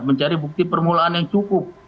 mencari bukti permulaan yang cukup